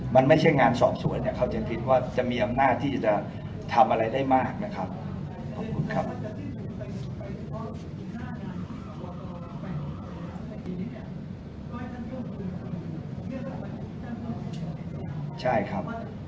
มันไม่ใช่งานสอบสวนเนี่ยเขาจะคิดว่าจะมีอำนาจที่จะทำอะไรได้มากนะครับขอบคุณครับ